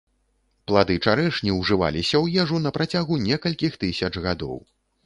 Плады чарэшні ўжываліся ў ежу на працягу некалькіх тысяч гадоў.